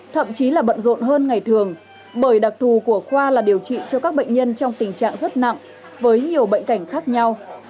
thậm chí là bận rộn hơn ngày thường bởi đặc thù của khoa là điều trị cho các bệnh nhân trong tình trạng rất nặng với nhiều bệnh cảnh khác nhau